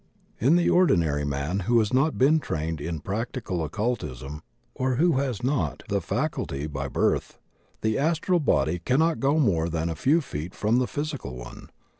In the ordinary man who has not been trained in practical occultism or who has not the faculty by birth, the astral body cannot go more than a few feet from the physical one.